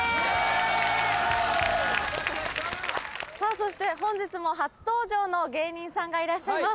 そして本日も初登場の芸人さんがいらっしゃいます。